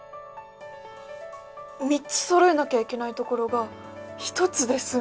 ３つそろえなきゃいけないところが１つで済む。